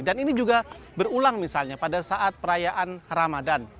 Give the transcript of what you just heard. dan ini juga berulang misalnya pada saat perayaan ramadan